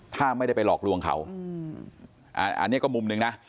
ถ้าไม่ได้ไปหลอกลวงเขาอันนี้ก็มุมหนึ่งนะ